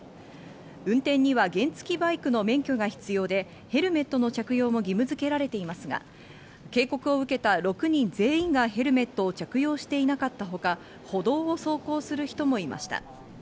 運転には原付きバイクの免許が必要でヘルメットの着用も義務づけられていますが、警告を受けた６人全員がヘルメットを着用していなかったほか、歩道を走行する人もいました。